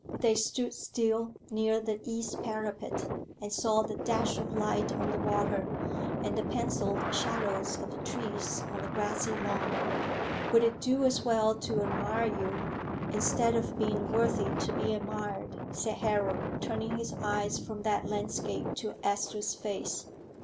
They stood still near the east parapet, and saw the dash of light on the water, and the pencilled shadows of the trees on the grassy lawn. "Would it do as well to admire you, instead of being worthy to be admired?" said Harold, turning his eyes from that landscape to Esther's face.